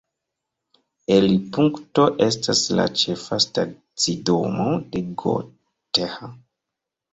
Elirpunkto estas la ĉefa stacidomo de Gotha.